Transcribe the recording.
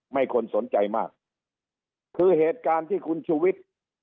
คนสนใจมากคือเหตุการณ์ที่คุณชูวิทย์